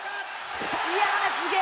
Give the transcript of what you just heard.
「いやあすげえ！」